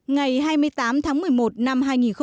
ngày hai mươi tám tháng một mươi một năm hai nghìn một mươi tám